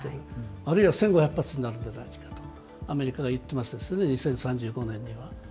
あるいは１５００発になるのではとアメリカが言ってますね、２０３５年には。